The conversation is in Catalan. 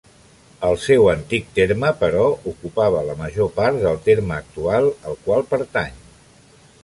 El seu antic terme, però, ocupava la major part del terme actual al qual pertany.